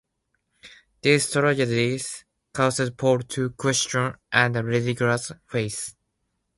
These tragedies caused Paul to question her religious faith.